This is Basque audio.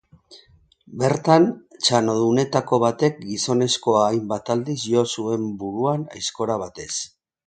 Bertan, txanodunetako batek gizonezkoa hainbat aldiz jo zuen buruan aizkora batez.